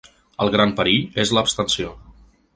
El gran perill és l’abstenció.